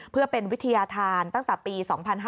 เพื่อเป็นวิทยาธารตั้งแต่ปี๒๕๕๙